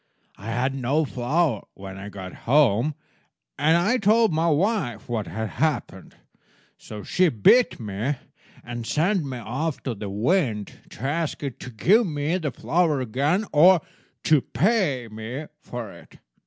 I had no flour when I got home, and I told my wife what had happened; so she beat me, and sent me off to the wind to ask it to give me the flour again or to pay me for it.